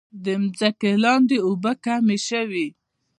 د ځمکې لاندې اوبه کمې شوي؟